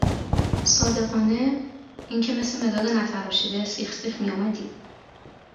صادقانه؟ اینکه مث مداد نتراشیده سیخ سیخ می اومدی